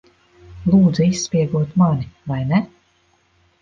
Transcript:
Lūdza izspiegot mani, vai ne?